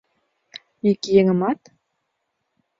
— Ик еҥымат?